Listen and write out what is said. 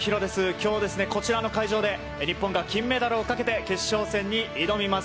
きょう、こちらの会場で、日本が金メダルをかけて決勝戦に挑みます。